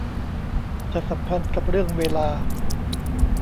จะสัมพันธ์กับเรื่องเวลา